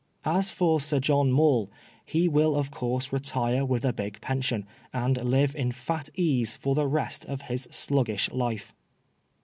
As for Sir John Maule, he will of course retire with a big pension, and live in fat ease for the rest of his sluggish life.